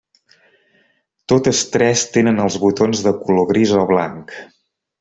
Totes tres tenen els botons de color gris o blanc.